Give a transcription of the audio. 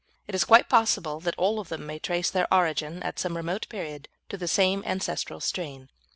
It is quite possible that all of them may trace their origin, at some remote period, to the same ancestral strain.